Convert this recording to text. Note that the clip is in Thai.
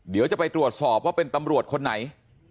เดี๋ยวจะไปตรวจสอบว่าเป็นตำรวจคนไหน